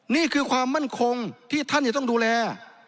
นี่คือความมั่นคงที่ท่านจะต้องดูแล